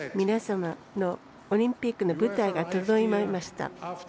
皆様のオリンピックの舞台が整いました。